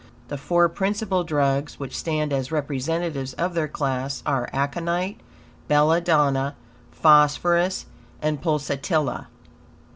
The four principal drugs, which stand as representatives of their class, are aconite, belladonna, phosphorus, and pulsatilla.